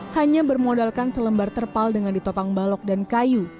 hanya bermodalkan selembar terpal dengan ditopang balok dan kayu